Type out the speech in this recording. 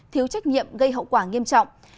thiếu trách nhiệm gây hậu quả nghiêm trọng